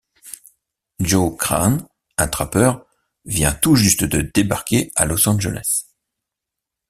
Joe Crane, un trappeur, vient tout juste de débarquer à Los Angeles.